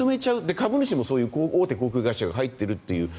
株主も大手航空会社が入っているという。